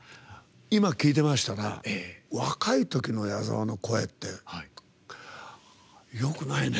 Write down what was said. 今、聴いてましたら若いときの矢沢の声ってよくないね。